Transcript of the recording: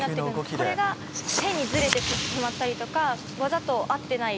これが変にずれてしまったりとか技と合ってない